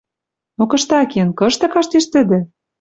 Но кыштакен, кышты каштеш тӹдӹ?